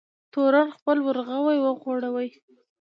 تورن خپل ورغوی وغوړوی.